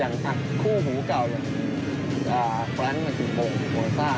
อย่างค่ะคู่หูเก่าอย่างฟรานซ์มันถึงโปรซ่า